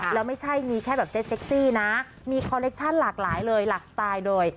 แล้วไม่ใช่มีแค่แบบเซ็กซี่นะมีคอเล็กชั่นหลากหลายเลยหลักสไตล์โดย